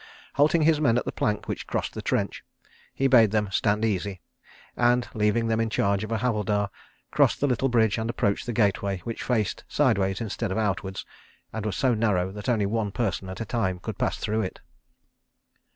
Halting his men at the plank which crossed the trench, he bade them "stand easy," and, leaving them in charge of a Havildar, crossed the little bridge and approached the gateway which faced sideways instead of outwards, and was so narrow that only one person at a time could pass through it.